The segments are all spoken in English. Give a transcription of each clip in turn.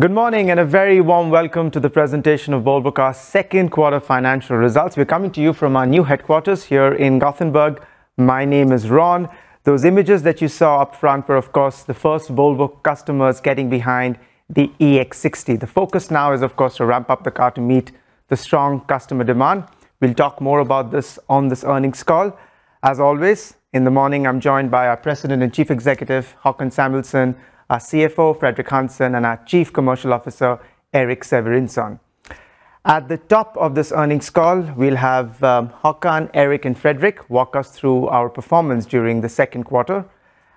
Good morning, and a very warm welcome to the presentation of Volvo Cars' second quarter financial results. We are coming to you from our new headquarters here in Gothenburg. My name is Ron. Those images that you saw up front were, of course, the first Volvo customers getting behind the EX60. The focus now is, of course, to ramp up the car to meet the strong customer demand. We will talk more about this on this earnings call. As always, in the morning, I am joined by our President and Chief Executive, Håkan Samuelsson, our CFO, Fredrik Hansson, and our Chief Commercial Officer, Erik Severinson. At the top of this earnings call, we will have Håkan, Erik, and Fredrik walk us through our performance during the second quarter,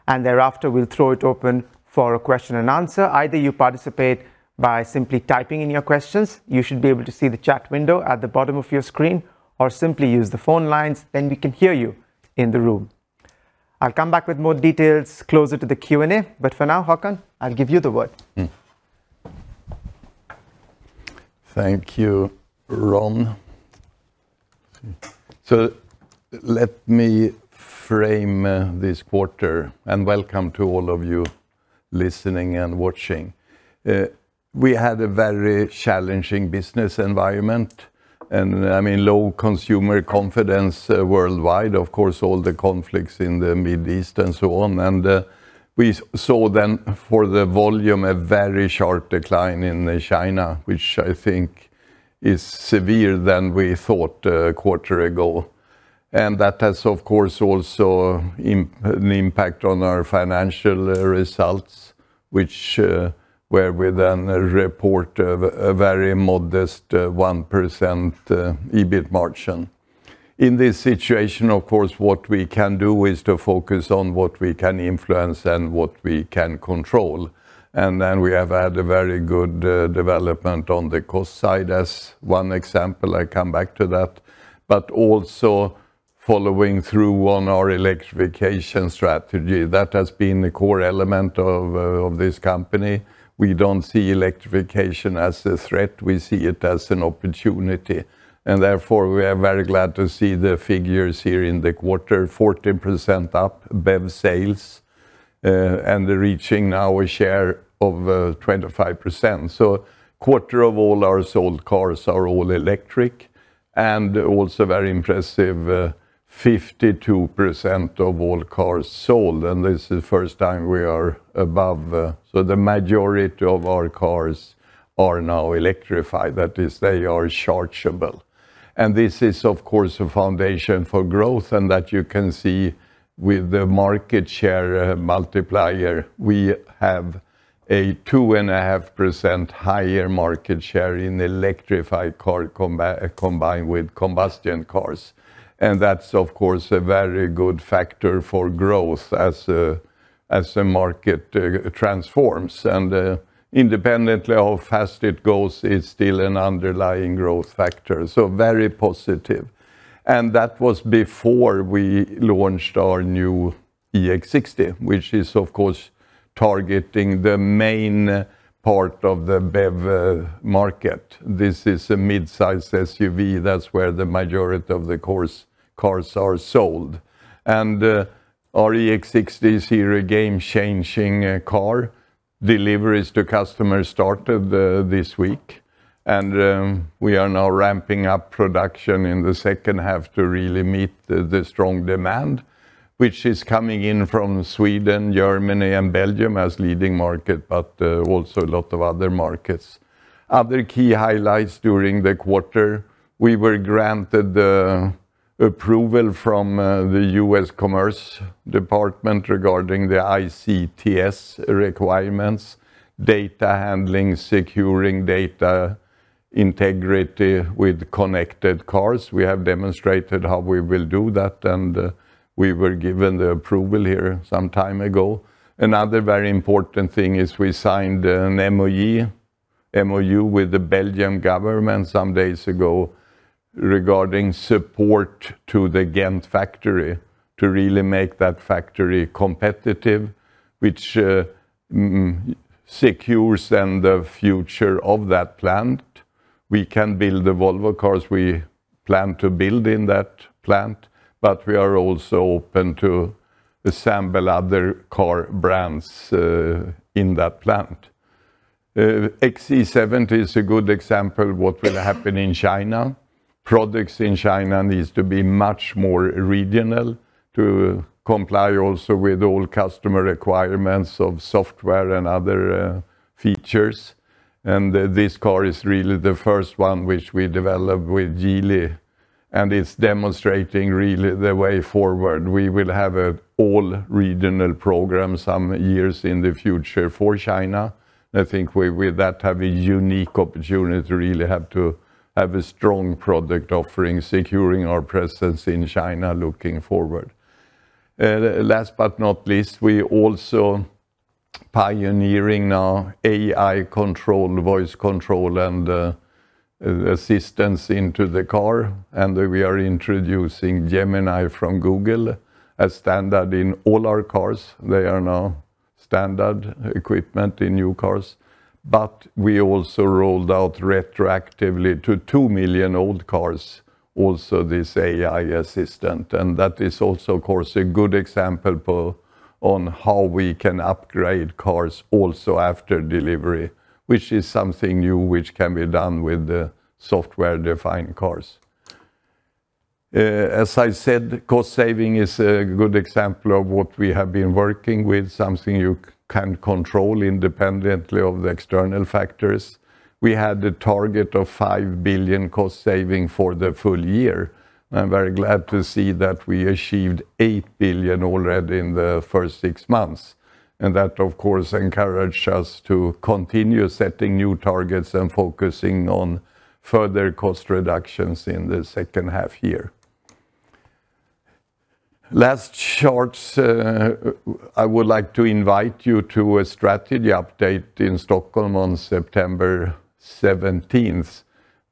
thereafter, we will throw it open for a question and answer. Either you participate by simply typing in your questions, you should be able to see the chat window at the bottom of your screen, or simply use the phone lines, we can hear you in the room. I will come back with more details closer to the Q&A, for now, Håkan, I will give you the word. Thank you, Ron. Let me frame this quarter. Welcome to all of you listening and watching. We had a very challenging business environment, and low consumer confidence worldwide, of course, all the conflicts in the Middle East. We saw for the volume, a very sharp decline in China, which I think is severe than we thought a quarter ago. That has, of course, also an impact on our financial results, where we report a very modest 1% EBIT margin. In this situation, of course, what we can do is to focus on what we can influence and what we can control. We have had a very good development on the cost side, as one example. I come back to that. Also following through on our electrification strategy, that has been a core element of this company. We do not see electrification as a threat. We see it as an opportunity, therefore, we are very glad to see the figures here in the quarter, 14% up BEV sales, and reaching now a share of 25%. A quarter of all our sold cars are all electric and also very impressive, 52% of all cars sold. This is the first time we are above, the majority of our cars are now electrified. That is, they are chargeable. This is, of course, a foundation for growth, and that you can see with the market share multiplier. We have a 2.5% higher market share in electrified cars combined with combustion cars. That is, of course, a very good factor for growth as the market transforms. Independently how fast it goes, it is still an underlying growth factor, very positive. That was before we launched our new EX60, which is, of course, targeting the main part of the BEV market. This is a midsize SUV. That's where the majority of the cars are sold. Our EX60 is here, a game-changing car. Deliveries to customers started this week, and we are now ramping up production in the second half to really meet the strong demand, which is coming in from Sweden, Germany, and Belgium as leading market, but also a lot of other markets. Other key highlights during the quarter, we were granted the approval from the U.S. Department of Commerce regarding the ICTS requirements, data handling, securing data integrity with connected cars. We have demonstrated how we will do that, and we were given the approval here some time ago. Another very important thing is, we signed an MOU with the Belgian government some days ago regarding support to the Ghent factory to really make that factory competitive, which secures then the future of that plant. We can build the Volvo cars we plan to build in that plant, but we are also open to assemble other car brands in that plant. XC70 is a good example what will happen in China. Products in China need to be much more regional to comply also with all customer requirements of software and other features. This car is really the first one which we developed with Geely, and it's demonstrating really the way forward. We will have an all-regional program some years in the future for China. I think with that, we have a unique opportunity to really have a strong product offering, securing our presence in China looking forward. Last but not least, we are also pioneering now AI control, voice control, and assistance into the car. We are introducing Gemini from Google as standard in all our cars. They are now standard equipment in new cars. We also rolled out retroactively to 2 million old cars also this AI assistant, and that is also, of course, a good example on how we can upgrade cars also after delivery, which is something new which can be done with the software-defined cars. As I said, cost saving is a good example of what we have been working with, something you can control independently of the external factors. We had a target of 5 billion cost saving for the full year. I'm very glad to see that we achieved 8 billion already in the first six months. That, of course, encouraged us to continue setting new targets and focusing on further cost reductions in the second half year. Last, charts, I would like to invite you to a strategy update in Stockholm on September 17th.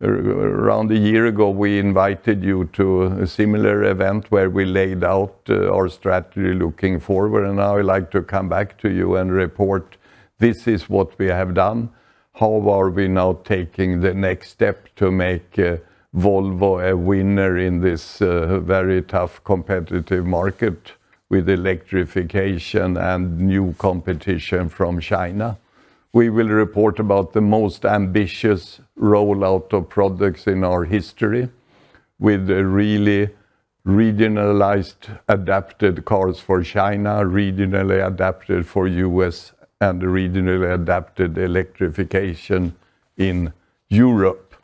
Around a year ago, we invited you to a similar event where we laid out our strategy looking forward, and now I'd like to come back to you and report this is what we have done, how are we now taking the next step to make Volvo a winner in this very tough competitive market with electrification and new competition from China. We will report about the most ambitious rollout of products in our history with a really regionalized adapted cars for China, regionally adapted for the U.S., and regionally adapted electrification in Europe.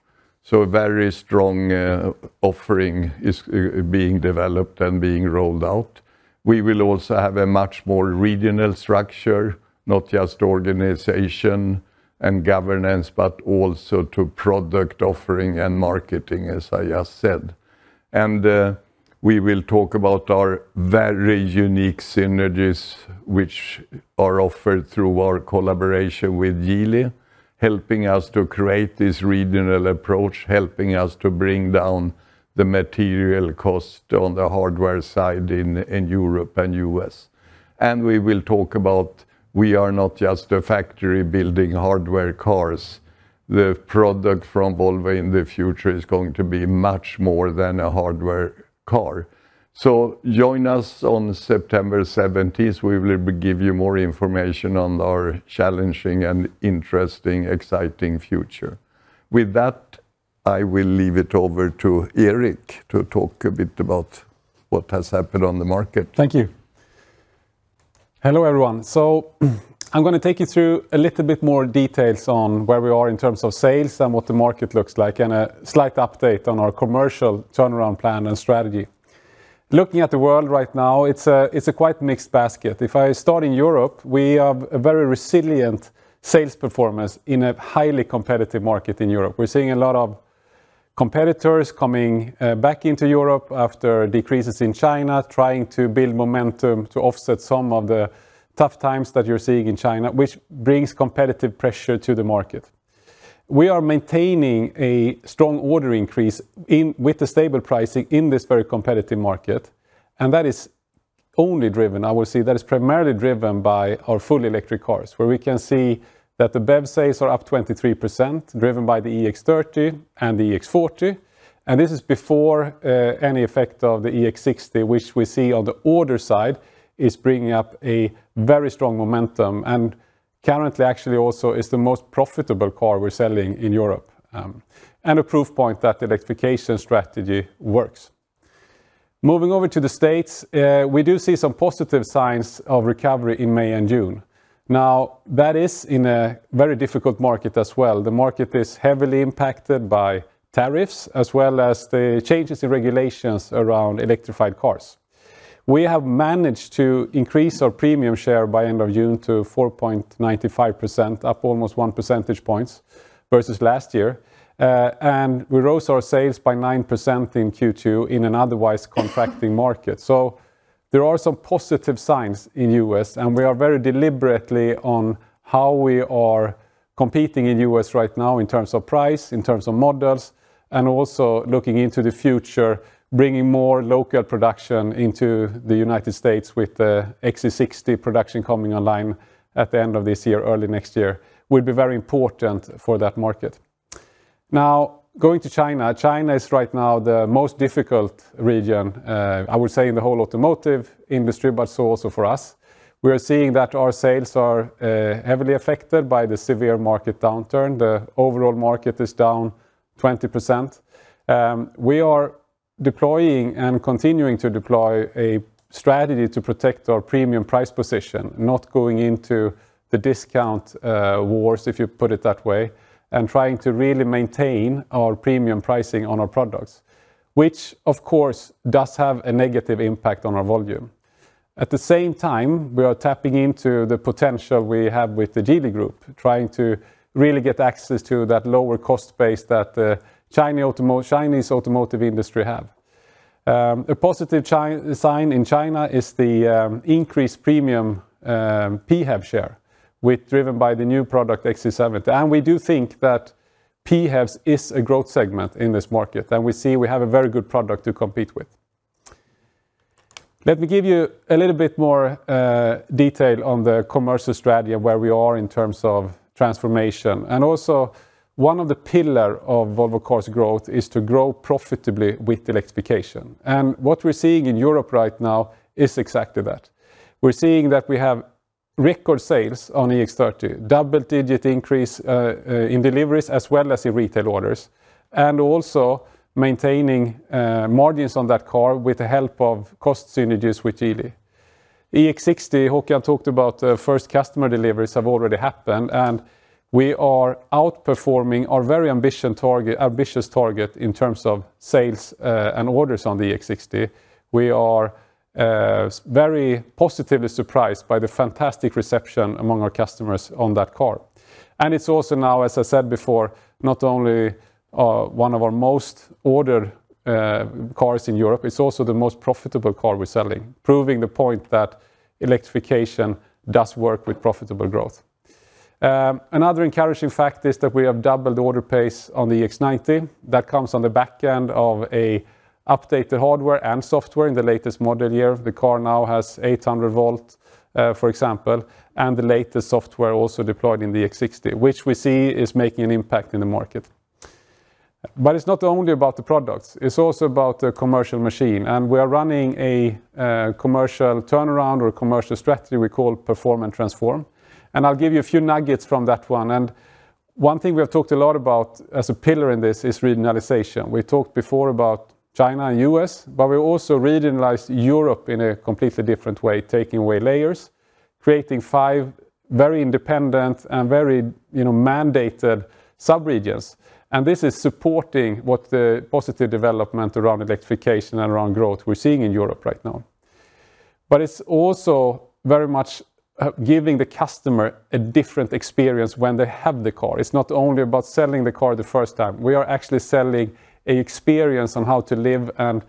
A very strong offering is being developed and being rolled out. We will also have a much more regional structure, not just organization and governance, but also to product offering and marketing, as I just said. We will talk about our very unique synergies, which are offered through our collaboration with Geely, helping us to create this regional approach, helping us to bring down the material cost on the hardware side in Europe and U.S. We will talk about we are not just a factory building hardware cars. The product from Volvo in the future is going to be much more than a hardware car. Join us on September 17th. We will give you more information on our challenging and interesting, exciting future. With that, I will leave it over to Erik to talk a bit about what has happened on the market. Thank you. Hello, everyone. I'm going to take you through a little bit more details on where we are in terms of sales and what the market looks like and a slight update on our commercial turnaround plan and strategy. Looking at the world right now, it's a quite mixed basket. If I start in Europe, we have a very resilient sales performance in a highly competitive market in Europe. We're seeing a lot of competitors coming back into Europe after decreases in China, trying to build momentum to offset some of the tough times that you're seeing in China, which brings competitive pressure to the market. We are maintaining a strong order increase with the stable pricing in this very competitive market, that is only driven, I will say, that is primarily driven by our fully electric cars, where we can see that the BEV sales are up 23%, driven by the EX30 and the EX40. This is before any effect of the EX60, which we see on the order side is bringing up a very strong momentum and currently actually also is the most profitable car we're selling in Europe. A proof point that the electrification strategy works. Moving over to the States, we do see some positive signs of recovery in May and June. That is in a very difficult market as well. The market is heavily impacted by tariffs as well as the changes in regulations around electrified cars. We have managed to increase our premium share by end of June to 4.95%, up almost one percentage points versus last year. We rose our sales by 9% in Q2 in an otherwise contracting market. There are some positive signs in U.S., and we are very deliberately on how we are competing in U.S. right now in terms of price, in terms of models, and also looking into the future, bringing more local production into the United States with the XC60 production coming online at the end of this year, early next year, will be very important for that market. Going to China. China is right now the most difficult region, I would say, in the whole automotive industry, but so also for us. We are seeing that our sales are heavily affected by the severe market downturn. The overall market is down 20%. We are deploying and continuing to deploy a strategy to protect our premium price position, not going into the discount wars, if you put it that way, and trying to really maintain our premium pricing on our products, which of course, does have a negative impact on our volume. At the same time, we are tapping into the potential we have with the Geely Group, trying to really get access to that lower cost base that the Chinese automotive industry have. A positive sign in China is the increased premium PHEV share with driven by the new product XC70. We do think that PHEVs is a growth segment in this market, and we see we have a very good product to compete with. Let me give you a little bit more detail on the commercial strategy and where we are in terms of transformation. Also one of the pillar of Volvo Cars growth is to grow profitably with electrification. What we're seeing in Europe right now is exactly that. We're seeing that we have record sales on EX30, double-digit increase in deliveries as well as in retail orders, and also maintaining margins on that car with the help of cost synergies with Geely. EX60, Håkan talked about the first customer deliveries have already happened. We are outperforming our very ambitious target in terms of sales and orders on the EX60. We are very positively surprised by the fantastic reception among our customers on that car. It's also now, as I said before, not only one of our most ordered cars in Europe, it's also the most profitable car we're selling. Proving the point that electrification does work with profitable growth. Another encouraging fact is that we have doubled order pace on the EX90. That comes on the back end of a updated hardware and software in the latest model year. The car now has 800 V, for example, and the latest software also deployed in the EX60, which we see is making an impact in the market. It's not only about the products, it's also about the commercial machine. We are running a commercial turnaround or commercial strategy we call Perform and Transform. I'll give you a few nuggets from that one. One thing we have talked a lot about as a pillar in this is regionalization. We talked before about China and U.S., but we also regionalized Europe in a completely different way, taking away layers, creating five very independent and very mandated sub-regions. This is supporting what the positive development around electrification and around growth we're seeing in Europe right now. It's also very much giving the customer a different experience when they have the car. It's not only about selling the car the first time. We are actually selling a experience on how to live and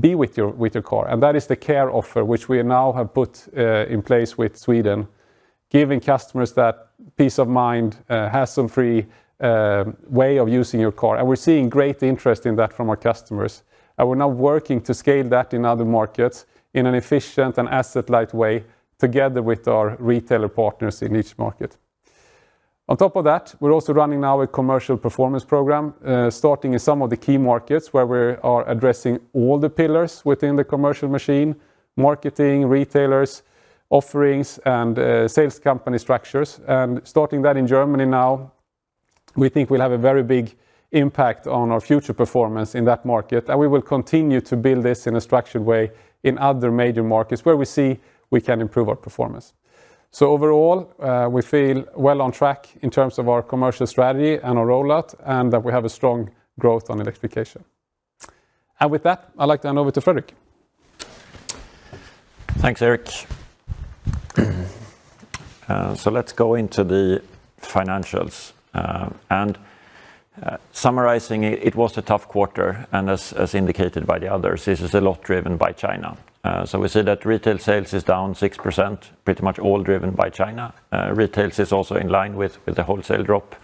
be with your car. That is the care offer, which we now have put in place with Sweden, giving customers that peace of mind, hassle-free way of using your car. We're seeing great interest in that from our customers. We're now working to scale that in other markets in an efficient and asset-light way together with our retailer partners in each market. On top of that, we're also running now a commercial performance program, starting in some of the key markets where we are addressing all the pillars within the commercial machine, marketing, retailers, offerings, and sales company structures. Starting that in Germany now, we think we'll have a very big impact on our future performance in that market. We will continue to build this in a structured way in other major markets where we see we can improve our performance. Overall, we feel well on track in terms of our commercial strategy and our rollout, and that we have a strong growth on electrification. With that, I'd like to hand over to Fredrik. Thanks, Erik. Let's go into the financials. Summarizing it was a tough quarter, and as indicated by the others, this is a lot driven by China. We see that retail sales is down 6%, pretty much all driven by China. Retail is also in line with the wholesale drop.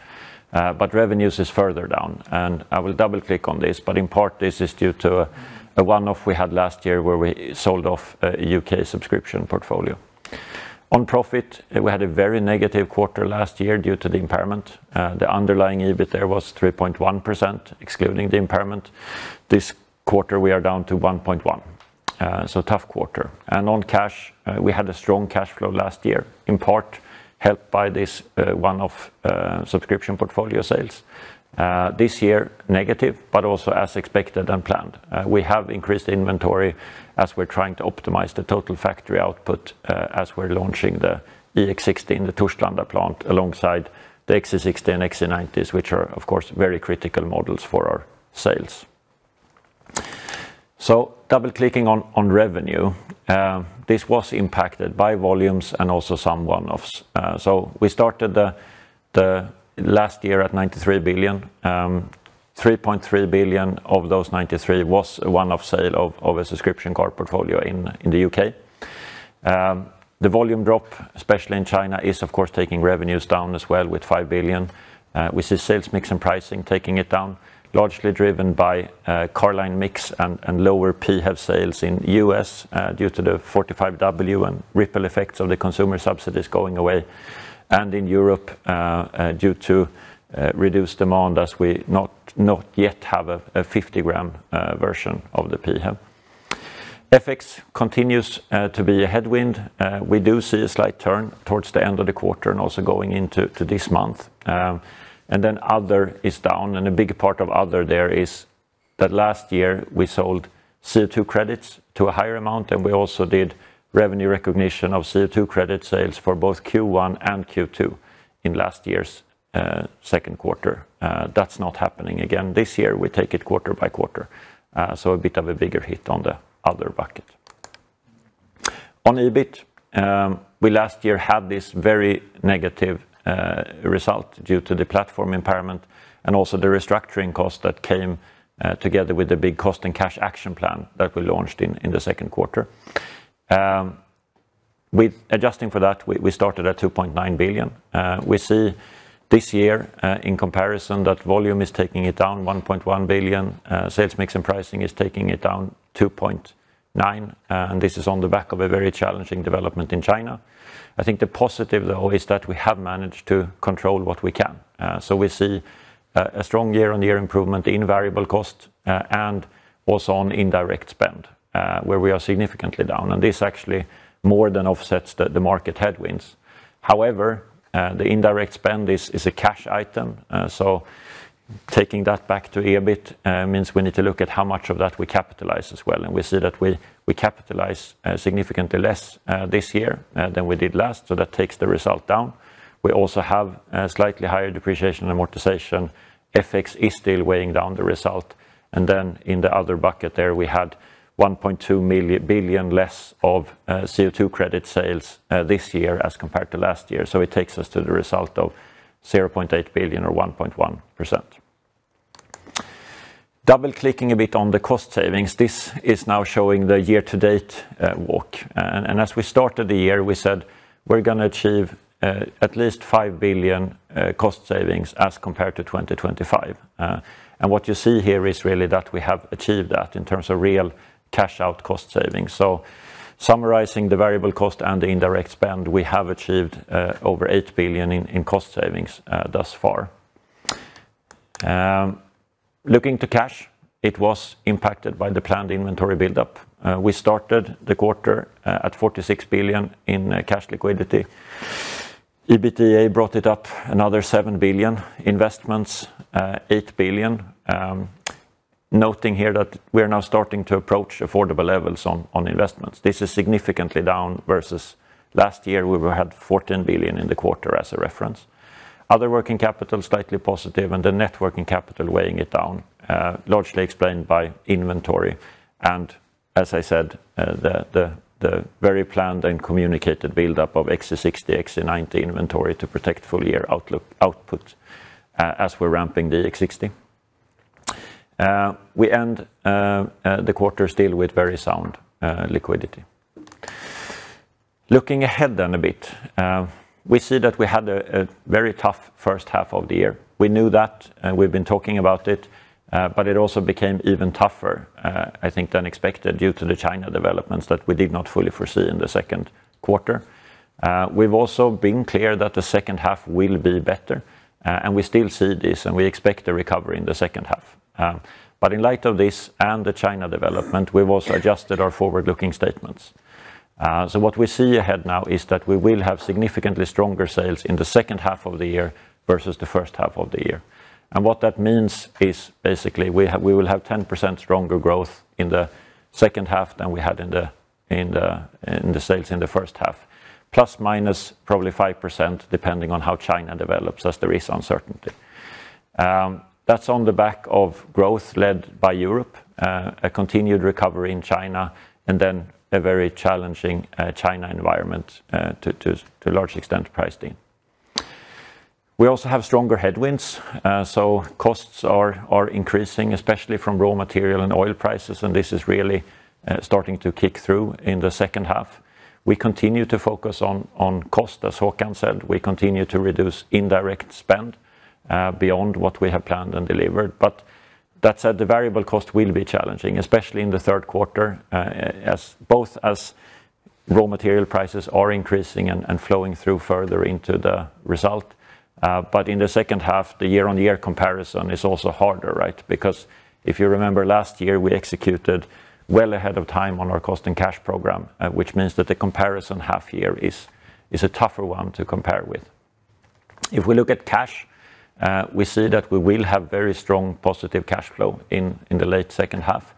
Revenues is further down. I will double-click on this, but in part, this is due to a one-off we had last year where we sold off a U.K. subscription portfolio. On profit, we had a very negative quarter last year due to the impairment. The underlying EBIT there was 3.1%, excluding the impairment. This quarter, we are down to 1.1%. Tough quarter. On cash, we had a strong cash flow last year, in part helped by this one-off subscription portfolio sales. This year, negative, but also as expected and planned. We have increased inventory as we're trying to optimize the total factory output as we're launching the EX60 in the Torslanda plant alongside the XC60 and XC90s, which are, of course, very critical models for our sales. Double-clicking on revenue. This was impacted by volumes and also some one-offs. We started the last year at 93 billion. 3.3 billion of those 93 billion was a one-off sale of a subscription car portfolio in the U.K. The volume drop, especially in China, is of course taking revenues down as well with 5 billion. We see sales mix and pricing taking it down, largely driven by car line mix and lower PHEV sales in U.S. due to the 45W and ripple effects of the consumer subsidies going away, and in Europe due to reduced demand as we not yet have a 50 g version of the PHEV. FX continues to be a headwind. We do see a slight turn towards the end of the quarter and also going into this month. Other is down. A big part of other there is that last year we sold CO2 credits to a higher amount, and we also did revenue recognition of CO2 credit sales for both Q1 and Q2 in last year's second quarter. That's not happening again this year. We take it quarter by quarter. A bit of a bigger hit on the other bucket. On EBIT, we last year had this very negative result due to the platform impairment and also the restructuring cost that came together with the big cost and cash action plan that we launched in the second quarter. With adjusting for that, we started at 2.9 billion. We see this year, in comparison, that volume is taking it down 1.1 billion. Sales mix and pricing is taking it down 2.9 billion, this is on the back of a very challenging development in China. I think the positive, though, is that we have managed to control what we can. We see a strong year-on-year improvement in variable cost, and also on indirect spend, where we are significantly down. This actually more than offsets the market headwinds. However, the indirect spend is a cash item. Taking that back to EBIT means we need to look at how much of that we capitalize as well, and we see that we capitalize significantly less this year than we did last. That takes the result down. We also have slightly higher depreciation and amortization. FX is still weighing down the result. In the other bucket there, we had 1.2 billion less of CO2 credit sales this year as compared to last year. It takes us to the result of 0.8 billion or 1.1%. Double-clicking a bit on the cost savings, this is now showing the year-to-date walk. As we started the year, we said we're going to achieve at least 5 billion cost savings as compared to 2025. What you see here is really that we have achieved that in terms of real cash-out cost savings. Summarizing the variable cost and the indirect spend, we have achieved over 8 billion in cost savings thus far. Looking to cash, it was impacted by the planned inventory buildup. We started the quarter at 46 billion in cash liquidity. EBITDA brought it up another 7 billion. Investments, 8 billion. Noting here that we are now starting to approach affordable levels on investments. This is significantly down versus last year. We had 14 billion in the quarter as a reference. Other working capital, slightly positive, and the net working capital weighing it down, largely explained by inventory and, as I said, the very planned and communicated buildup of EX60, EX90 inventory to protect full-year output, as we're ramping the EX60. We end the quarter still with very sound liquidity. Looking ahead a bit. We see that we had a very tough first half of the year. We knew that, and we've been talking about it. It also became even tougher, I think, than expected due to the China developments that we did not fully foresee in the second quarter. We've also been clear that the second half will be better, we still see this, and we expect a recovery in the second half. In light of this and the China development, we've also adjusted our forward-looking statements. What we see ahead now is that we will have significantly stronger sales in the second half of the year versus the first half of the year. What that means is basically we will have 10% stronger growth in the second half than we had in the sales in the first half, plus minus probably 5%, depending on how China develops, as there is uncertainty. That's on the back of growth led by Europe, a continued recovery in China, a very challenging China environment, to a large extent pricing. We also have stronger headwinds. Costs are increasing, especially from raw material and oil prices, and this is really starting to kick through in the second half. We continue to focus on cost, as Håkan said. We continue to reduce indirect spend beyond what we have planned and delivered. That said, the variable cost will be challenging, especially in the third quarter, both as raw material prices are increasing and flowing through further into the result. In the second half, the year-on-year comparison is also harder, right? Because if you remember last year, we executed well ahead of time on our cost and cash program, which means that the comparison half here is a tougher one to compare with. If we look at cash, we see that we will have very strong positive cash flow in the late second half.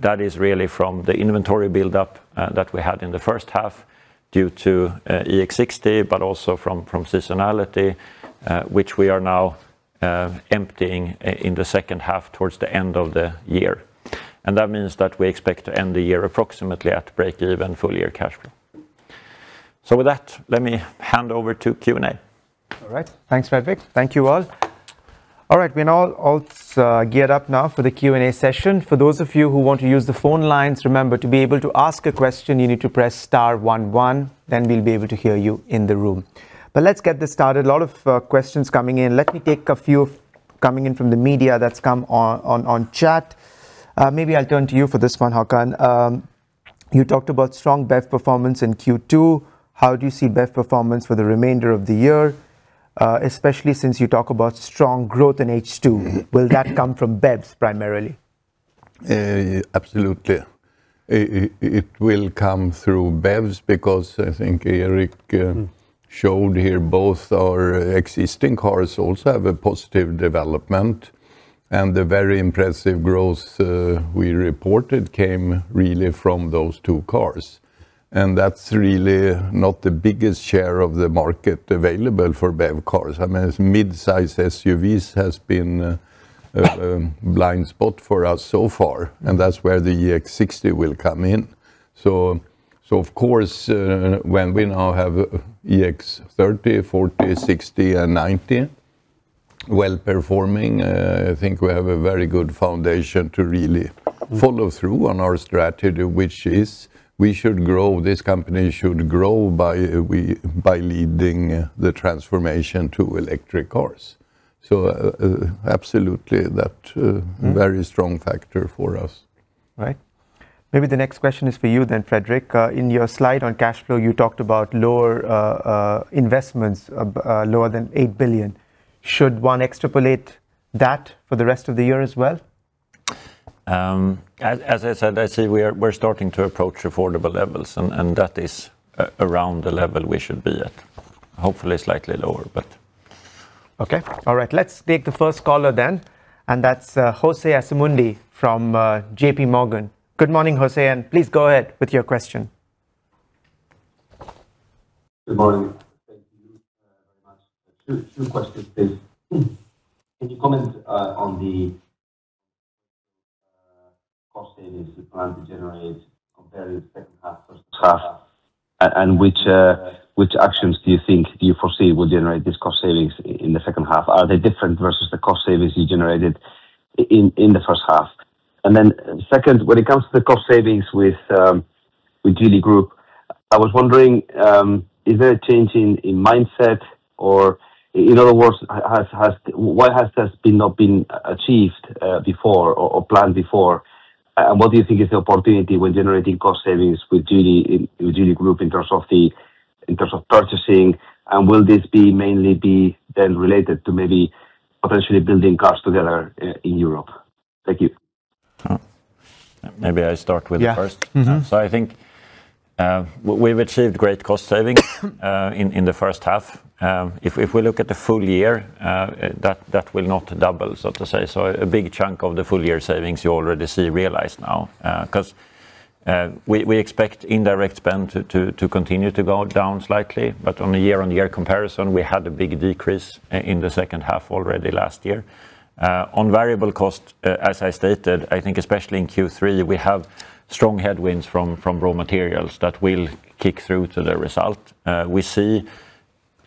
That is really from the inventory buildup that we had in the first half due to EX60, but also from seasonality, which we are now emptying in the second half towards the end of the year. That means that we expect to end the year approximately at break-even full-year cash flow. With that, let me hand over to Q&A. All right. Thanks, Fredrik. Thank you all. All right, we're now all geared up now for the Q&A session. For those of you who want to use the phone lines, remember, to be able to ask a question, you need to press star one one, then we'll be able to hear you in the room. Let's get this started. A lot of questions coming in. Let me take a few coming in from the media that's come on chat. Maybe I'll turn to you for this one, Håkan. You talked about strong BEV performance in Q2. How do you see BEV performance for the remainder of the year, especially since you talk about strong growth in H2? Will that come from BEVs primarily? Absolutely. It will come through BEVs because I think Erik showed here both our existing cars also have a positive development, and the very impressive growth we reported came really from those two cars. That's really not the biggest share of the market available for BEV cars. Mid-size SUVs has been a blind spot for us so far, and that's where the EX60 will come in. Of course, when we now have EX30, 40, 60, and 90 Well-performing. I think we have a very good foundation to really follow through on our strategy, which is this company should grow by leading the transformation to electric cars. Absolutely, that very strong factor for us. Right. Maybe the next question is for you, Fredrik. In your slide on cash flow, you talked about lower investments, lower than 8 billion. Should one extrapolate that for the rest of the year as well? As I said, I see we're starting to approach affordable levels, that is around the level we should be at. Hopefully, slightly lower. Okay. All right. Let's take the first caller, that's Jose Asumendi from JPMorgan. Good morning, Jose, please go ahead with your question. Good morning. Thank you very much. Two questions, please. Can you comment on the cost savings you plan to generate comparing second half first half, which actions do you think you foresee will generate these cost savings in the second half? Are they different versus the cost savings you generated in the first half? Second, when it comes to the cost savings with Geely Group, I was wondering, is there a change in mindset or, in other words, what has not been achieved before or planned before? What do you think is the opportunity when generating cost savings with Geely Group in terms of purchasing, will this mainly be then related to maybe potentially building cars together in Europe? Thank you. Maybe I start with the first. Yeah. Mm-hmm. I think we've achieved great cost savings in the first half. If we look at the full year, that will not double, so to say. A big chunk of the full-year savings you already see realized now. Because we expect indirect spend to continue to go down slightly. On a year-on-year comparison, we had a big decrease in the second half already last year. On variable cost, as I stated, I think especially in Q3, we have strong headwinds from raw materials that will kick through to the result. We see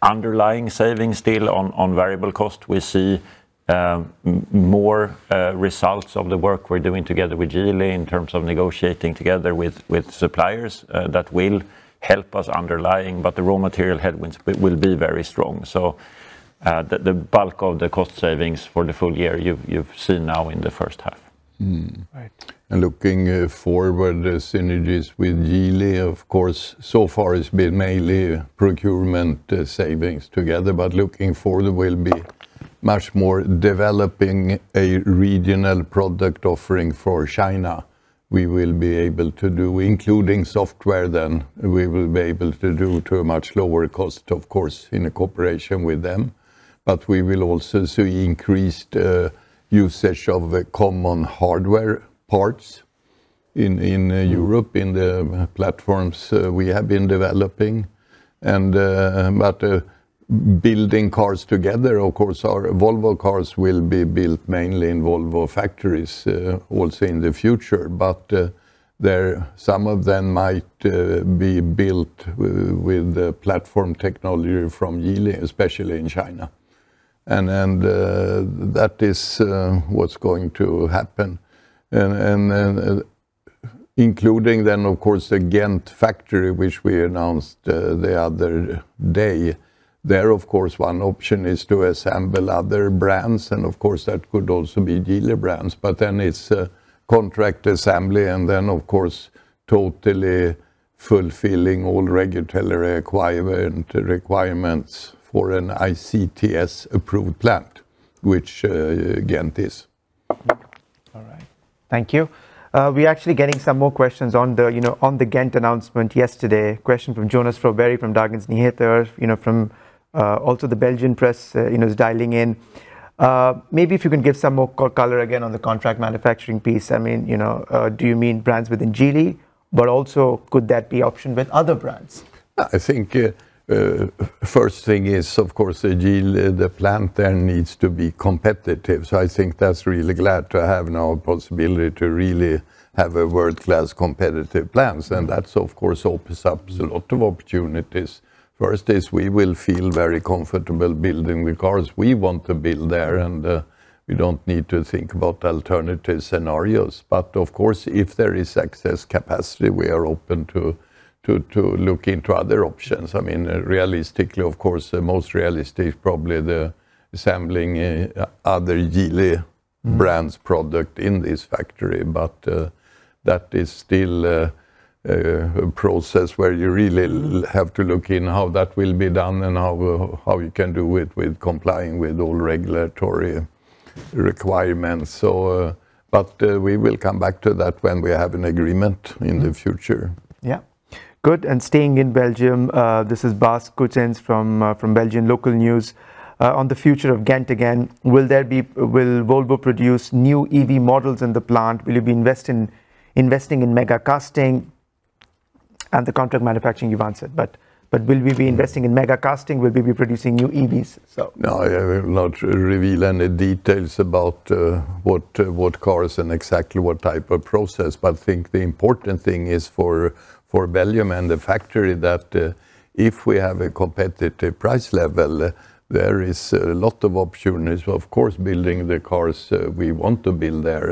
underlying savings still on variable cost. We see more results of the work we're doing together with Geely in terms of negotiating together with suppliers. That will help us underlying, but the raw material headwinds will be very strong. The bulk of the cost savings for the full year, you've seen now in the first half. Right. Looking forward, the synergies with Geely, of course, so far it's been mainly procurement savings together. Looking forward, we'll be much more developing a regional product offering for China. We will be able to do, including software then, we will be able to do to a much lower cost, of course, in cooperation with them. We will also see increased usage of common hardware parts in Europe in the platforms we have been developing. Building cars together, of course, our Volvo Cars will be built mainly in Volvo factories, also in the future. Some of them might be built with the platform technology from Geely, especially in China. That is what's going to happen. Including then, of course, the Ghent factory, which we announced the other day. There, of course, one option is to assemble other brands, of course, that could also be Geely brands, then it's a contract assembly, of course, totally fulfilling all regulatory requirements for an ICTS-approved plant, which Ghent is. All right. Thank you. We are actually getting some more questions on the Ghent announcement yesterday. Question from Jonas Fröberg from Dagens Nyheter, from also the Belgian press is dialing in. If you can give some more color again on the contract manufacturing piece. Do you mean brands within Geely, could that be optioned with other brands? I think first thing is, of course, Geely, the plant there needs to be competitive. I think that's really glad to have now a possibility to really have a world-class competitive plant. That, of course, opens up a lot of opportunities. First is we will feel very comfortable building the cars we want to build there, and we don't need to think about alternative scenarios. Of course, if there is excess capacity, we are open to look into other options. Realistically, of course, the most realistic probably the assembling other Geely brands product in this factory. That is still a process where you really have to look in how that will be done and how you can do it with complying with all regulatory requirements. We will come back to that when we have an agreement in the future. Yeah. Good. Staying in Belgium, this is Bas Goetens from Belgian local news. On the future of Ghent again, will Volvo produce new EV models in the plant? Will you be investing in megacasting? The contract manufacturing, you've answered. Will we be investing in megacasting? Will we be producing new EVs? No, I will not reveal any details about what cars and exactly what type of process, think the important thing is for Belgium and the factory that if we have a competitive price level, there is a lot of opportunities. Of course, building the cars we want to build there.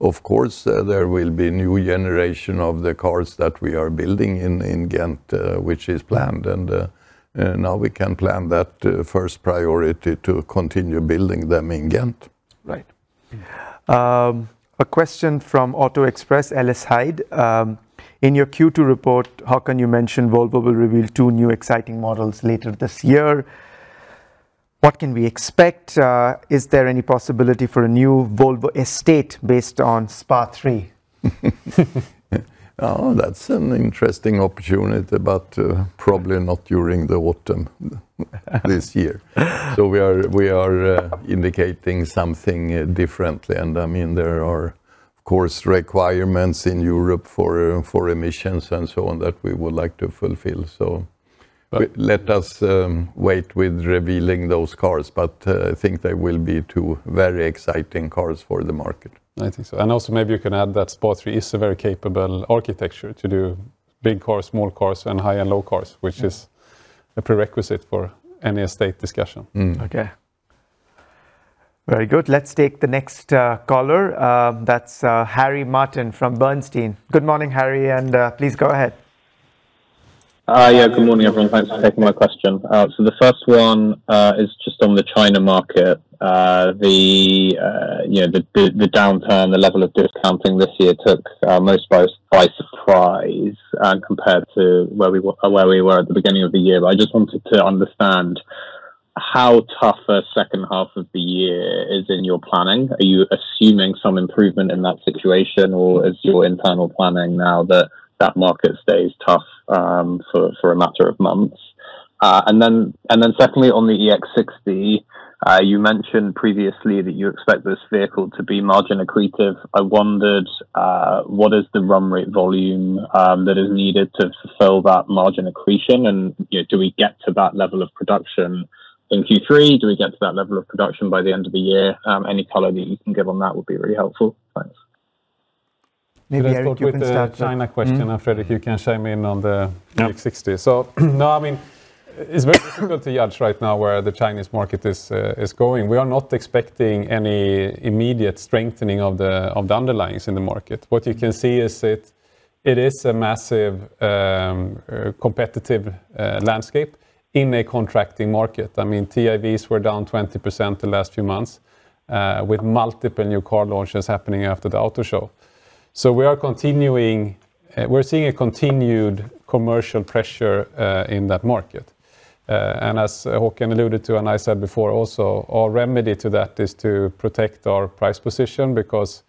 Of course, there will be new generation of the cars that we are building in Ghent, which is planned. Now we can plan that first priority to continue building them in Ghent. Right. A question from Auto Express, Ellis Hyde. In your Q2 report, Håkan, you mentioned Volvo will reveal two new exciting models later this year. What can we expect? Is there any possibility for a new Volvo estate based on SPA 3? That's an interesting opportunity, probably not during the autumn this year. We are indicating something differently. There are, of course, requirements in Europe for emissions and so on that we would like to fulfill. Let us wait with revealing those cars. I think they will be two very exciting cars for the market. I think so. Also maybe you can add that SPA3 is a very capable architecture to do big cars, small cars, and high and low cars, which is a prerequisite for any estate discussion. Okay. Very good. Let's take the next caller. That's Harry Martin from Bernstein. Good morning, Harry, and please go ahead. Good morning, everyone. Thanks for taking my question. The first one is just on the China market. The downturn, the level of discounting this year took most by surprise compared to where we were at the beginning of the year. I just wanted to understand how tough a second half of the year is in your planning. Are you assuming some improvement in that situation, or is your internal planning now that that market stays tough for a matter of months? Secondly on the EX60, you mentioned previously that you expect this vehicle to be margin accretive. I wondered what is the run rate volume that is needed to fulfill that margin accretion, and do we get to that level of production in Q3? Do we get to that level of production by the end of the year? Any color that you can give on that would be really helpful. Thanks. Maybe Erik you can start. Let's start with the China question, Fredrik you can chime in on the EX60. It's very difficult to judge right now where the Chinese market is going. We are not expecting any immediate strengthening of the underlyings in the market. What you can see is it is a massive competitive landscape in a contracting market. TIV were down 20% the last few months, with multiple new car launches happening after the auto show. We're seeing a continued commercial pressure in that market. As Håkan alluded to, and I said before also, our remedy to that is to protect our price position, because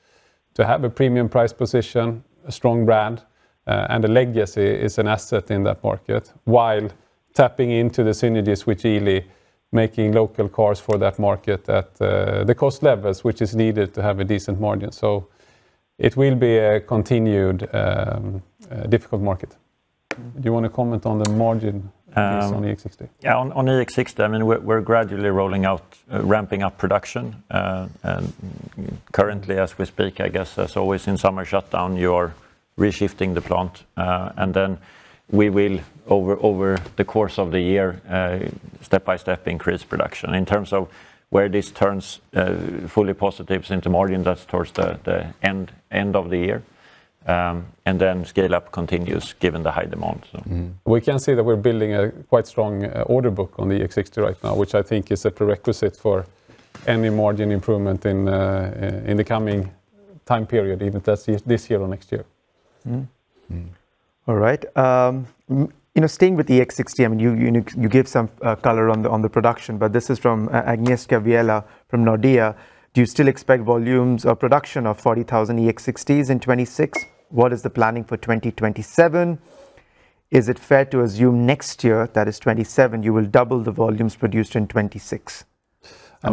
to have a premium price position, a strong brand, and a legacy is an asset in that market. While tapping into the synergies with Geely, making local cars for that market at the cost levels, which is needed to have a decent margin. It will be a continued difficult market. Do you want to comment on the margin piece on the EX60? Yeah, on EX60, we're gradually rolling out, ramping up production. Currently as we speak, I guess as always in summer shutdown, you are re-shifting the plant. Then we will over the course of the year, step-by-step increase production. In terms of where this turns fully positive into margin, that's towards the end of the year. Then scale up continues given the high demand. We can see that we're building a quite strong order book on the EX60 right now, which I think is a prerequisite for any margin improvement in the coming time period, even if that's this year or next year. All right. Staying with the EX60, you give some color on the production, but this is from Agnieszka Vilela from Nordea. Do you still expect volumes or production of 40,000 EX60s in 2026? What is the planning for 2027? Is it fair to assume next year, that is 2027, you will double the volumes produced in 2026?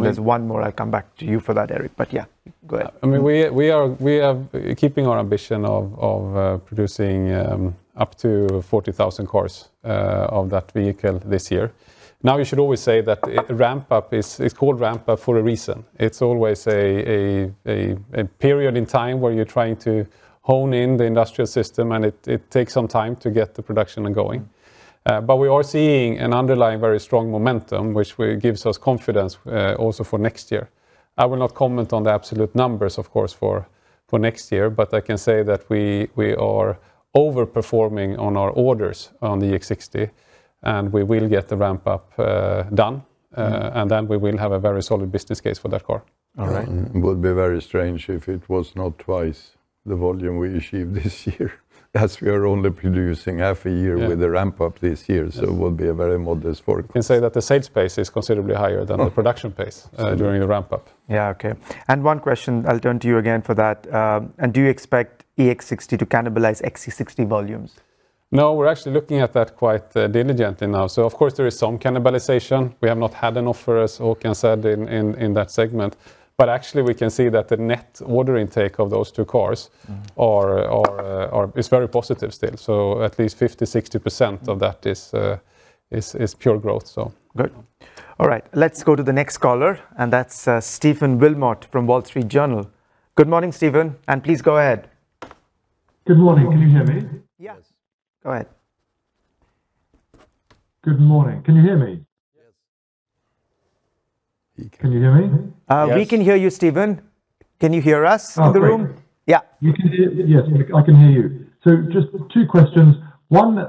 There's one more, I'll come back to you for that, Erik, yeah, go ahead. We are keeping our ambition of producing up to 40,000 cars of that vehicle this year. Now we should always say that it's called ramp-up for a reason. It's always a period in time where you're trying to hone in the industrial system, it takes some time to get the production going. We are seeing an underlying very strong momentum, which gives us confidence also for next year. I will not comment on the absolute numbers, of course, for next year, but I can say that we are over-performing on our orders on the EX60, we will get the ramp-up done. Then we will have a very solid business case for that car. All right. It would be very strange if it was not twice the volume we achieved this year, as we are only producing half a year. Yeah With the ramp-up this year. Yes. Will be a very modest forecast. Can say that the sales pace is considerably higher than- Oh our production pace during the ramp-up. Yeah, okay. One question, I'll turn to you again for that. Do you expect EX60 to cannibalize XC60 volumes? No, we're actually looking at that quite diligently now. Of course there is some cannibalization. We have not had an offer, as Håkan said, in that segment. Actually we can see that the net order intake of those two cars is very positive still. At least 50%-60% of that is pure growth. Good. All right. Let's go to the next caller. That's Stephen Wilmot from The Wall Street Journal. Good morning, Stephen, please go ahead. Good morning. Can you hear me? Yes. Go ahead. Good morning. Can you hear me? Yes. Can you hear me? We can hear you, Stephen. Can you hear us in the room? Great. Yeah. Yes, I can hear you. Just two questions. One,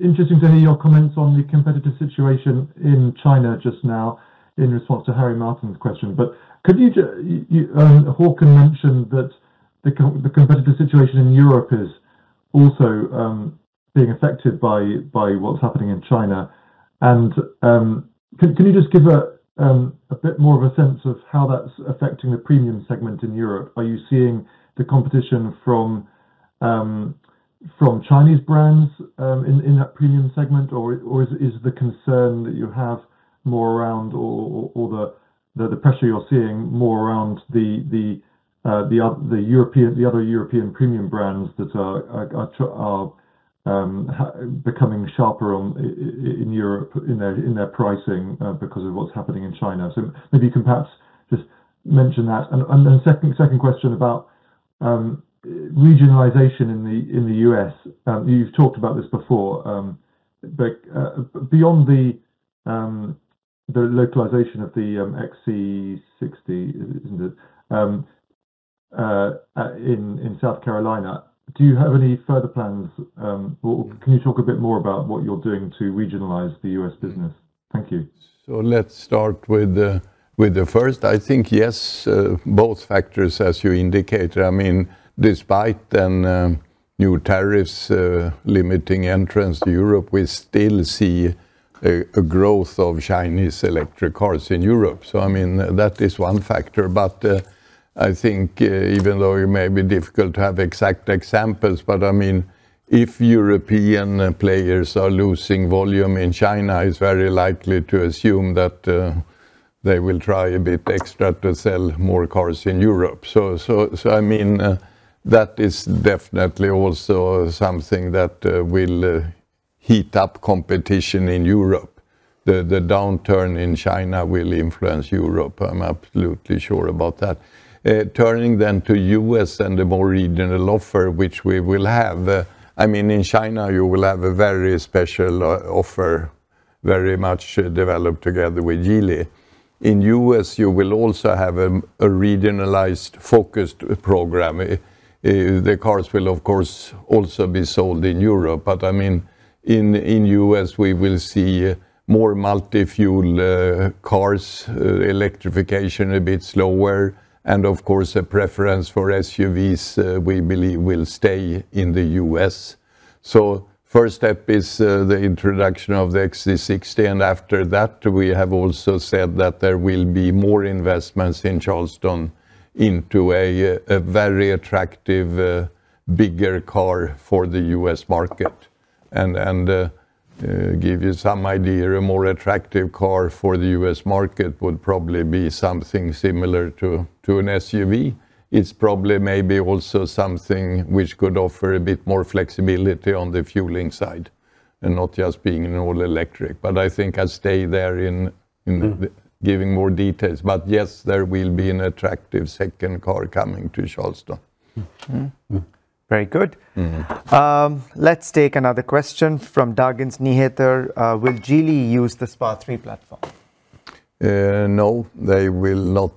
interesting to hear your comments on the competitive situation in China just now in response to Harry Martin's question. Håkan mentioned that the competitive situation in Europe is also being affected by what's happening in China. Can you just give a bit more of a sense of how that's affecting the premium segment in Europe? Are you seeing the competition from Chinese brands in that premium segment, or is the concern that you have more around all the pressure you're seeing more around the other European premium brands that are becoming sharper in Europe in their pricing because of what's happening in China? Maybe you can perhaps just mention that. Second question about regionalization in the U.S. You've talked about this before, beyond the localization of the XC60, isn't it, in South Carolina, do you have any further plans? Can you talk a bit more about what you're doing to regionalize the U.S. business? Thank you. Let's start with the first. I think yes, both factors as you indicated. Despite then new tariffs limiting entrance to Europe, we still see a growth of Chinese electric cars in Europe. That is one factor. I think even though it may be difficult to have exact examples, if European players are losing volume in China, it's very likely to assume that they will try a bit extra to sell more cars in Europe. That is definitely also something that will heat up competition in Europe. The downturn in China will influence Europe, I'm absolutely sure about that. Turning to U.S. and the more regional offer, which we will have. In China, you will have a very special offer, very much developed together with Geely. In U.S., you will also have a regionalized focused program. The cars will, of course, also be sold in Europe. In U.S., we will see more multi-fuel cars, electrification a bit slower, and of course, a preference for SUVs, we believe will stay in the U.S. First step is the introduction of the XC60, and after that, we have also said that there will be more investments in Charleston into a very attractive, bigger car for the U.S. market. Give you some idea, a more attractive car for the U.S. market would probably be something similar to an SUV. It's probably maybe also something which could offer a bit more flexibility on the fueling side, and not just being an all electric. I think I stay there in giving more details. Yes, there will be an attractive second car coming to Charleston. Very good. Let's take another question from Dagens Nyheter. Will Geely use the SPA3 platform? They will not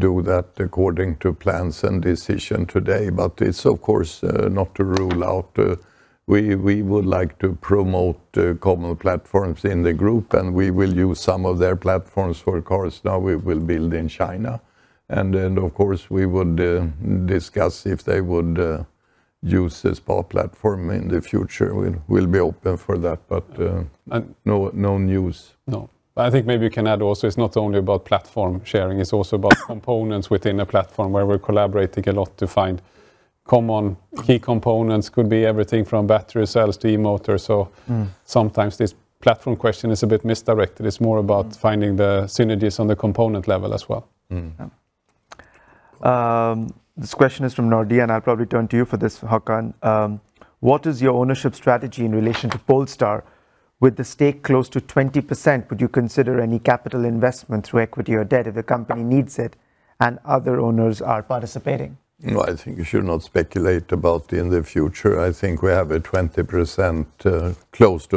do that according to plans and decision today. It's of course not to rule out. We would like to promote common platforms in the group, we will use some of their platforms for cars now we will build in China. Then, of course, we would discuss if they would use the SPA platform in the future. We will be open for that. No news. I think maybe you can add also, it's not only about platform sharing, it's also about components within a platform where we are collaborating a lot to find common key components. Could be everything from battery cells to E-motor. Sometimes this platform question is a bit misdirected. It's more about finding the synergies on the component level as well. This question is from Nordea, I will probably turn to you for this, Håkan. What is your ownership strategy in relation to Polestar? With the stake close to 20%, would you consider any capital investment through equity or debt if the company needs it and other owners are participating? I think we should not speculate about in the future. I think we have a close to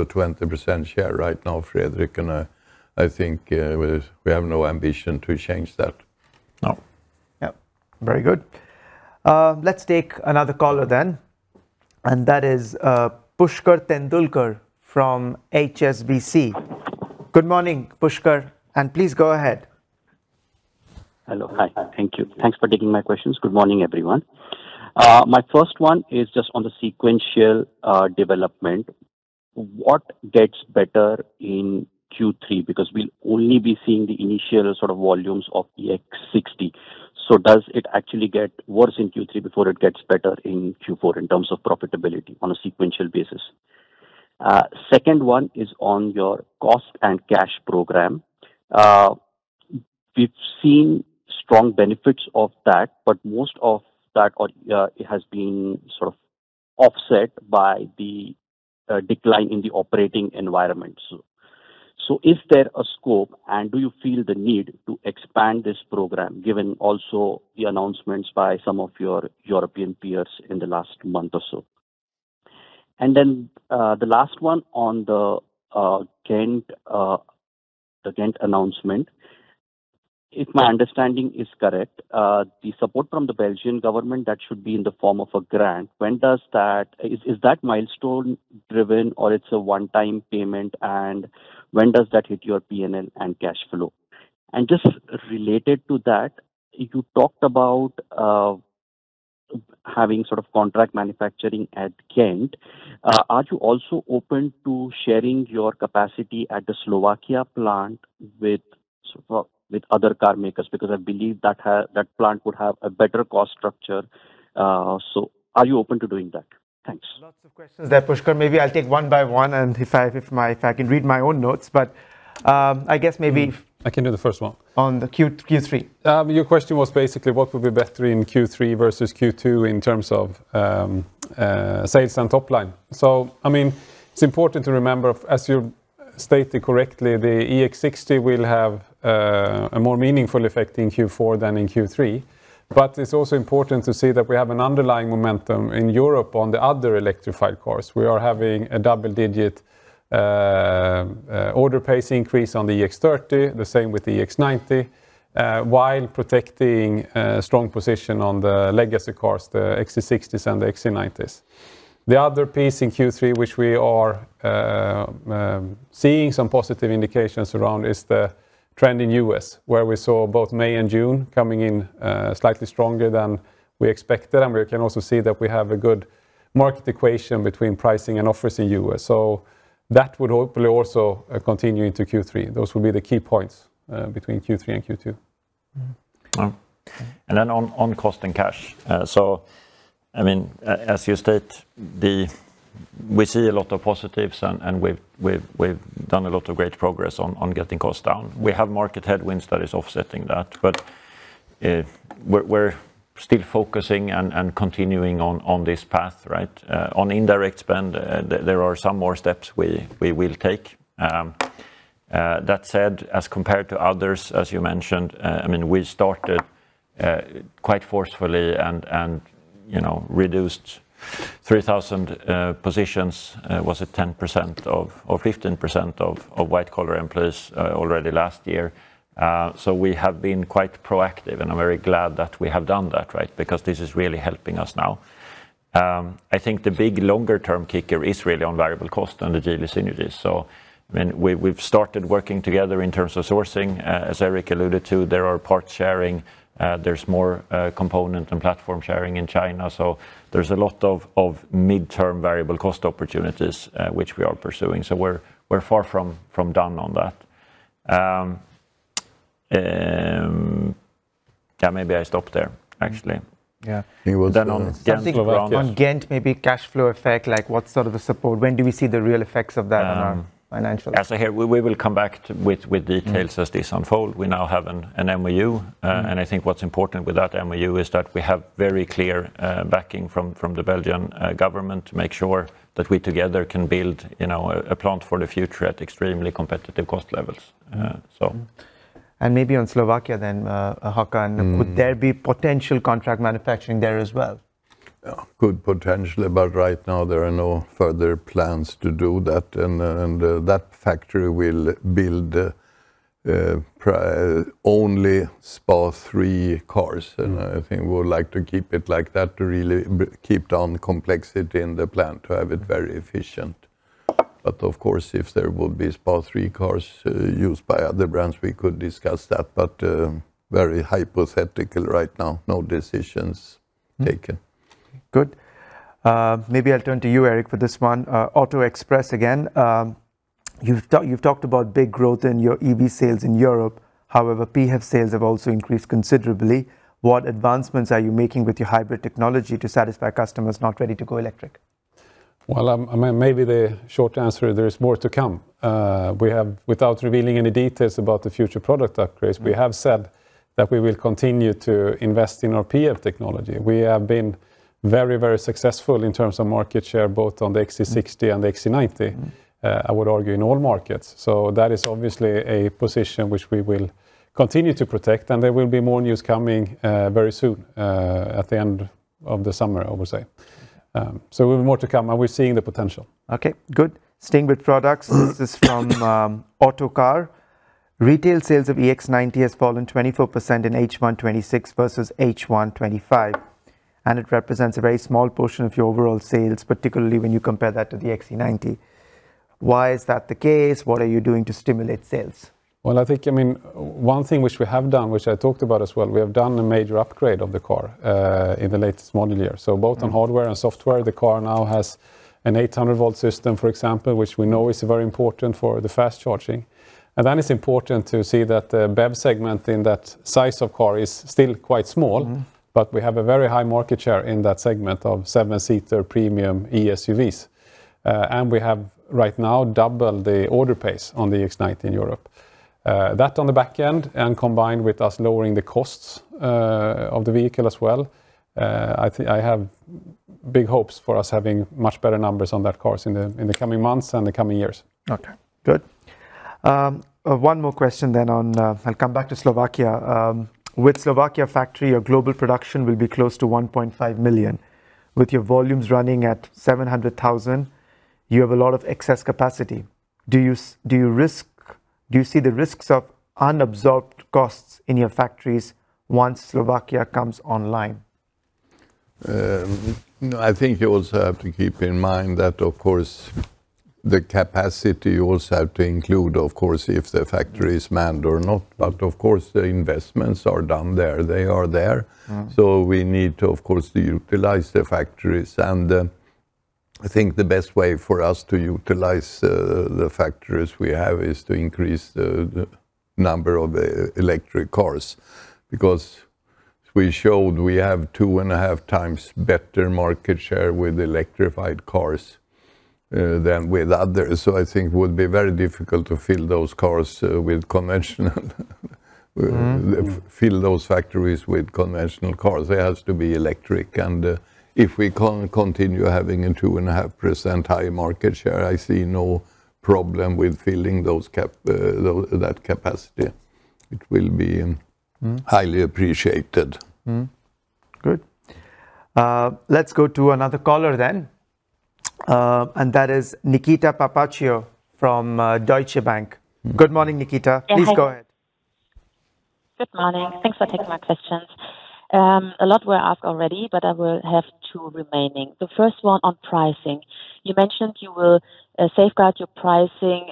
a 20% share right now, Fredrik, I think we have no ambition to change that. No. Yep. Very good. Let's take another caller. That is Pushkar Tendolkar from HSBC. Good morning, Pushkar. Please go ahead. Hello. Hi. Thank you. Thanks for taking my questions. Good morning, everyone. My first one is just on the sequential development What gets better in Q3? We'll only be seeing the initial volumes of EX60. Does it actually get worse in Q3 before it gets better in Q4 in terms of profitability on a sequential basis? Second one is on your cost and cash program. We've seen strong benefits of that. Most of that has been offset by the decline in the operating environment. Is there a scope, and do you feel the need to expand this program, given also the announcements by some of your European peers in the last month or so? The last one on the Ghent announcement. If my understanding is correct, the support from the Belgian government, that should be in the form of a grant. Is that milestone driven or it's a one-time payment, and when does that hit your PNL and cash flow? Just related to that, you talked about having contract manufacturing at Ghent. Are you also open to sharing your capacity at the Slovakia plant with other car makers? I believe that plant would have a better cost structure. Are you open to doing that? Thanks. Lots of questions there, Pushkar. Maybe I'll take one by one, if I can read my own notes. I can do the first one. on the Q3. Your question was basically what would be better in Q3 versus Q2 in terms of sales and top line. It's important to remember, as you stated correctly, the EX60 will have a more meaningful effect in Q4 than in Q3. It's also important to see that we have an underlying momentum in Europe on the other electrified cars. We are having a double-digit order pace increase on the EX30, the same with the EX90, while protecting a strong position on the legacy cars, the XC60s and the XC90s. The other piece in Q3, which we are seeing some positive indications around, is the trend in U.S., where we saw both May and June coming in slightly stronger than we expected. We can also see that we have a good market equation between pricing and offers in U.S. That would hopefully also continue into Q3. Those would be the key points between Q3 and Q2. On cost and cash. As you state, we see a lot of positives and we've done a lot of great progress on getting costs down. We have market headwinds that is offsetting that. We're still focusing and continuing on this path. On indirect spend, there are some more steps we will take. That said, as compared to others, as you mentioned, we started quite forcefully and reduced 3,000 positions. Was it 10% or 15% of white collar employees already last year. We have been quite proactive, and I'm very glad that we have done that, because this is really helping us now. I think the big longer term kicker is really on variable cost and the Geely synergies. We've started working together in terms of sourcing. As Erik alluded to, there are parts sharing, there's more component and platform sharing in China. There's a lot of midterm variable cost opportunities, which we are pursuing. We're far from done on that. Maybe I stop there, actually. Yeah. He will. Something about on Ghent, maybe cash flow effect, like what sort of the support, when do we see the real effects of that around financials? As I hear, we will come back with details as this unfolds. We now have an MOU. I think what's important with that MOU is that we have very clear backing from the Belgian government to make sure that we together can build a plant for the future at extremely competitive cost levels. Maybe on Slovakia, Håkan. Would there be potential contract manufacturing there as well? Yeah. Could potentially, but right now there are no further plans to do that, and that factory will build only SPA3 cars. I think we would like to keep it like that to really keep down the complexity in the plant to have it very efficient. Of course, if there will be SPA3 cars used by other brands, we could discuss that, but very hypothetical right now. No decisions taken. Good. Maybe I'll turn to you, Erik, for this one. Auto Express again. You've talked about big growth in your EV sales in Europe. However, PHEV sales have also increased considerably. What advancements are you making with your hybrid technology to satisfy customers not ready to go electric? Well, maybe the short answer, there is more to come. Without revealing any details about the future product upgrades, we have said that we will continue to invest in our PHEV technology. We have been very successful in terms of market share, both on the XC60 and the XC90. I would argue in all markets. That is obviously a position which we will continue to protect, and there will be more news coming very soon, at the end of the summer, I would say. We've more to come, and we're seeing the potential. Okay, good. Staying with products. This is from Autocar. Retail sales of EX90 has fallen 24% in H1 2026 versus H1 2025. It represents a very small portion of your overall sales, particularly when you compare that to the XC90. Why is that the case? What are you doing to stimulate sales? Well, I think one thing which we have done, which I talked about as well, we have done a major upgrade of the car in the latest model year. Both on hardware and software, the car now has an 800 V system, for example, which we know is very important for the fast charging. It's important to see that the BEV segment in that size of car is still quite small, but we have a very high market share in that segment of seven-seater premium E-SUVs. We have right now double the order pace on the EX90 in Europe. That on the back end and combined with us lowering the costs of the vehicle as well, I have big hopes for us having much better numbers on that car in the coming months and the coming years. Okay, good. One more question. I'll come back to Slovakia. With Slovakia factory, your global production will be close to 1.5 million. With your volumes running at 700,000, you have a lot of excess capacity. Do you see the risks of unabsorbed costs in your factories once Slovakia comes online? No, I think you also have to keep in mind that, of course, the capacity also have to include, of course, if the factory is manned or not. Of course, the investments are done there. They are there. We need to, of course, utilize the factories. I think the best way for us to utilize the factories we have is to increase the number of electric cars. We showed we have two and a half times better market share with electrified cars than with others. I think it would be very difficult to fill those factories with conventional cars. They have to be electric. If we can continue having a 2.5% high market share, I see no problem with filling that capacity. It will be. Highly appreciated. Mm-hmm. Good. Let's go to another caller then. That is Nikita Papaccio from Deutsche Bank. Good morning, Nikita. Hi. Please go ahead. Good morning. Thanks for taking my questions. A lot were asked already, but I will have two remaining. The first one on pricing. You mentioned you will safeguard your pricing,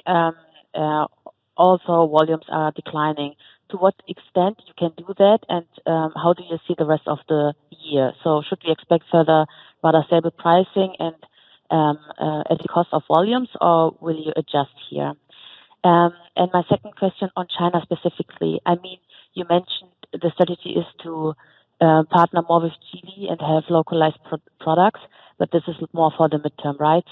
also volumes are declining. To what extent you can do that and how do you see the rest of the year? Should we expect further rather stable pricing and at the cost of volumes or will you adjust here? My second question on China specifically. You mentioned the strategy is to partner more with Geely and have localized products, but this is more for the midterm, right?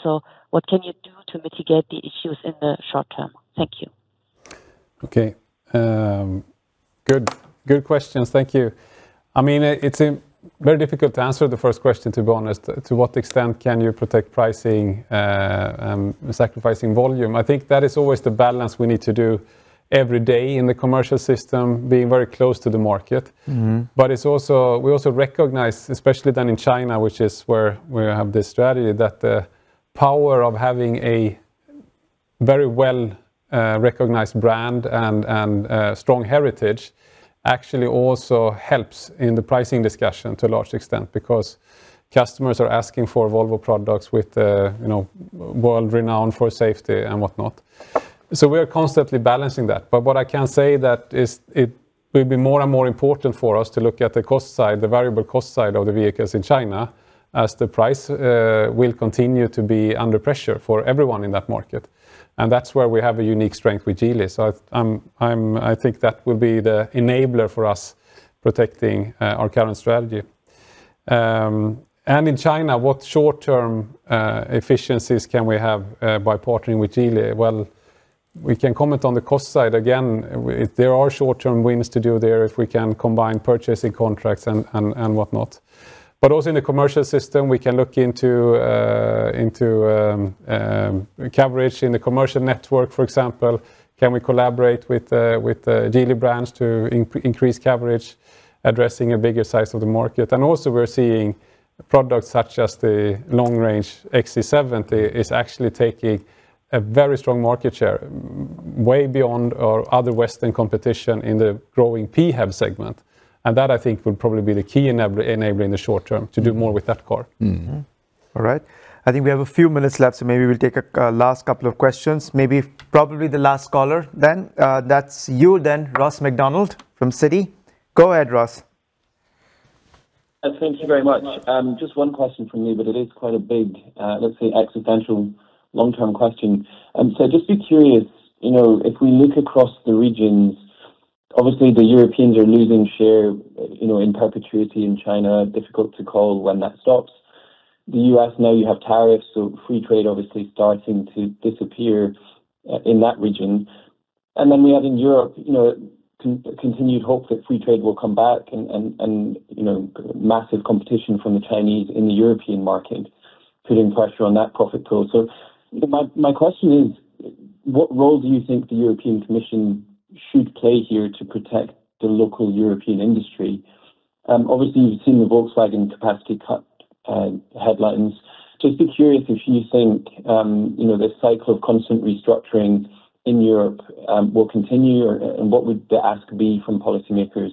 What can you do to mitigate the issues in the short term? Thank you. Okay. Good questions. Thank you. It's very difficult to answer the first question, to be honest. To what extent can you protect pricing, sacrificing volume? I think that is always the balance we need to do every day in the commercial system, being very close to the market. We also recognize, especially then in China, which is where we have this strategy, that the power of having a very well-recognized brand and a strong heritage actually also helps in the pricing discussion to a large extent because customers are asking for Volvo products world-renowned for safety and whatnot. We are constantly balancing that. What I can say that is it will be more and more important for us to look at the cost side, the variable cost side of the vehicles in China as the price will continue to be under pressure for everyone in that market. That's where we have a unique strength with Geely. I think that will be the enabler for us protecting our current strategy. In China, what short-term efficiencies can we have by partnering with Geely? Well, we can comment on the cost side. Again, there are short-term wins to do there if we can combine purchasing contracts and whatnot. Also in the commercial system, we can look into coverage in the commercial network. For example, can we collaborate with Geely brands to increase coverage addressing a bigger size of the market? Also we're seeing products such as the long-range XC70 is actually taking a very strong market share way beyond our other Western competition in the growing PHEV segment. That, I think, will probably be the key enabler in the short term to do more with that car. Mm-hmm. All right. I think we have a few minutes left, so maybe we'll take a last couple of questions. Maybe probably the last caller then. That's you then, Ross MacDonald from Citi. Go ahead, Ross. Thank you very much. Just one question from me, but it is quite a big, let's say, existential long-term question. Just be curious, if we look across the regions, obviously the Europeans are losing share in perpetuity in China, difficult to call when that stops. The U.S. now you have tariffs, so free trade obviously starting to disappear in that region. We have in Europe, continued hope that free trade will come back and massive competition from the Chinese in the European market putting pressure on that profit pool. My question is, what role do you think the European Commission should play here to protect the local European industry? Obviously, you've seen the Volkswagen capacity cut Headlines. Just be curious if you think this cycle of constant restructuring in Europe will continue, or what would the ask be from policymakers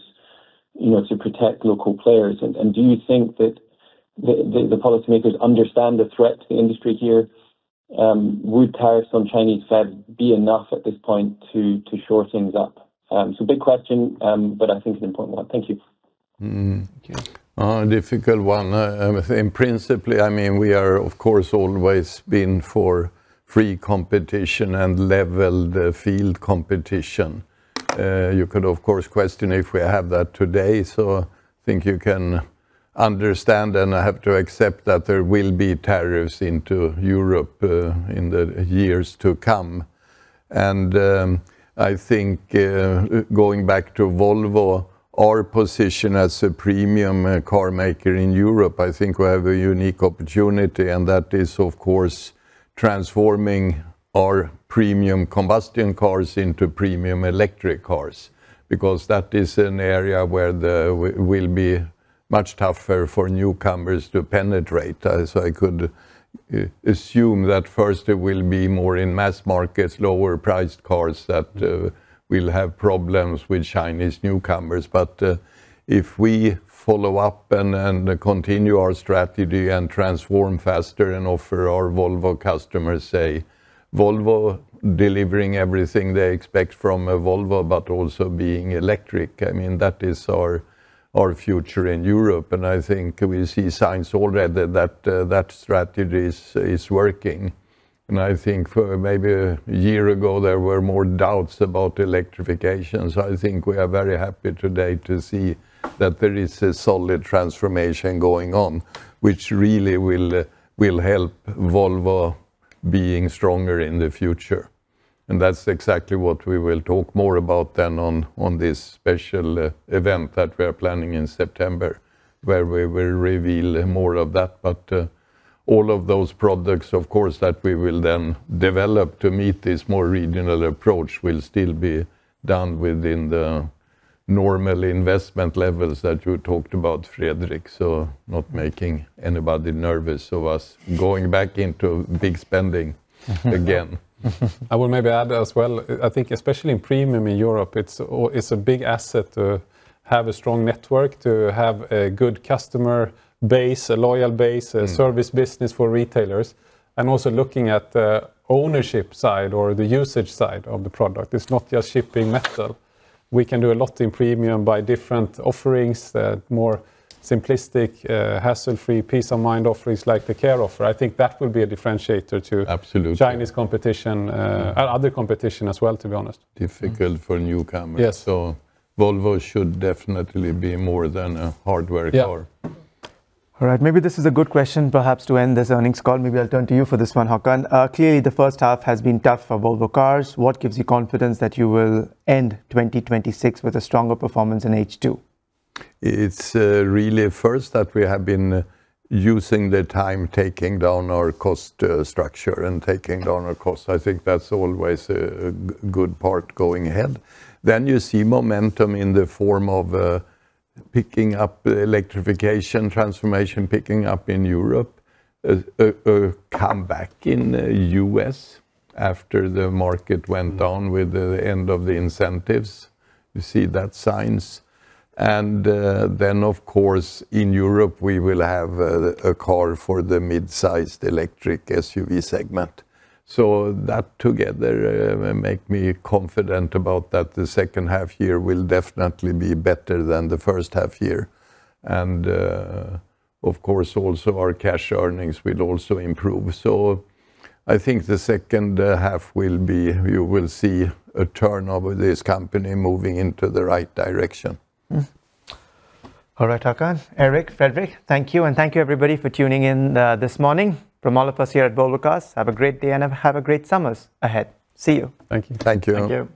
to protect local players? Do you think that the policymakers understand the threat to the industry here? Would tariffs on Chinese BEVs be enough at this point to shore things up? It's a big question, but I think it's an important one. Thank you. Okay. A difficult one. In principle, we are, of course, always been for free competition and leveled field competition. You could, of course, question if we have that today. I think you can understand, and I have to accept that there will be tariffs into Europe in the years to come. I think going back to Volvo, our position as a premium car maker in Europe, I think we have a unique opportunity, and that is, of course, transforming our premium combustion cars into premium electric cars, because that is an area where it will be much tougher for newcomers to penetrate. I could assume that first it will be more in mass markets, lower priced cars that will have problems with Chinese newcomers. If we follow up and continue our strategy and transform faster and offer our Volvo customers, say, Volvo delivering everything they expect from a Volvo, but also being electric, that is our future in Europe. I think we see signs already that that strategy is working. I think for maybe a year ago, there were more doubts about electrification. I think we are very happy today to see that there is a solid transformation going on, which really will help Volvo being stronger in the future. That's exactly what we will talk more about then on this special event that we are planning in September, where we will reveal more of that. All of those products, of course, that we will then develop to meet this more regional approach will still be done within the normal investment levels that you talked about, Fredrik. Not making anybody nervous of us going back into big spending again. I will maybe add as well. I think especially in premium in Europe, it's a big asset to have a strong network, to have a good customer base, a loyal base. A service business for retailers. Also looking at the ownership side or the usage side of the product. It's not just shipping metal. We can do a lot in premium by different offerings, more simplistic, hassle-free peace of mind offerings like the care offer. I think that will be a differentiator to. Absolutely Chinese competition, other competition as well, to be honest. Difficult for newcomers. Yes. Volvo should definitely be more than a hardware car. Yeah. All right. Maybe this is a good question perhaps to end this earnings call. Maybe I'll turn to you for this one, Håkan. Clearly, the first half has been tough for Volvo Cars. What gives you confidence that you will end 2026 with a stronger performance in H2? It's really first that we have been using the time taking down our cost structure and taking down our costs. I think that's always a good part going ahead. You see momentum in the form of picking up electrification transformation, picking up in Europe, a comeback in the U.S. after the market went down with the end of the incentives. You see those signs. Of course, in Europe, we will have a car for the mid-sized electric SUV segment. That together make me confident about that the second half year will definitely be better than the first half year. Of course, also our cash earnings will also improve. I think the second half you will see a turn of this company moving into the right direction. All right, Håkan, Erik, Fredrik, thank you, and thank you everybody for tuning in this morning. From all of us here at Volvo Cars, have a great day and have a great summer ahead. See you. Thank you. Thank you. Thank you.